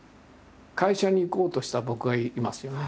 会社に行こうとした僕がいますよね。